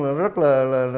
nó rất là